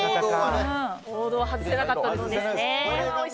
王道は外せなかったですね。